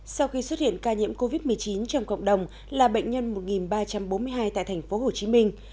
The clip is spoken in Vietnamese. sau khi xuất hiện ca nhiễm covid một mươi chín trong cộng đồng là bệnh nhân một ba trăm bốn mươi hai tại thành phố hồ chí minh